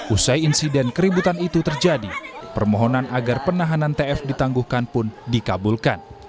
usai insiden keributan itu terjadi permohonan agar penahanan tf ditangguhkan pun dikabulkan